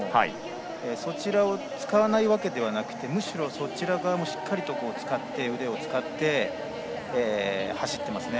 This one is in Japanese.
そちらを使わないわけではなくてむしろ、そちら側をしっかりと使って腕を使って走っていますね。